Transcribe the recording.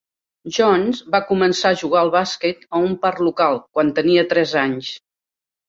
Jones va començar a jugar al bàsquet a un parc local quan tenia tres anys.